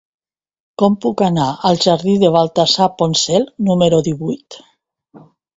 Com puc anar al jardí de Baltasar Porcel número divuit?